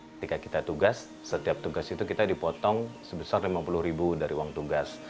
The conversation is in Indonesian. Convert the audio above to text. ketika kita tugas setiap tugas itu kita dipotong sebesar rp lima puluh ribu dari uang tugas